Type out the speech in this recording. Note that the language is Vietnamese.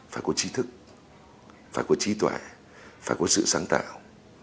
phải có trí thức phải có trí tuệ phải có sự sáng tạo